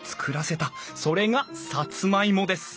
それがサツマイモです。